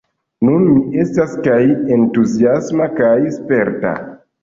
Nun mi estas kaj entuziasma kaj sperta.